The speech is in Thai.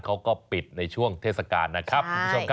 เขาก็ปิดในช่วงเทศกาลนะครับ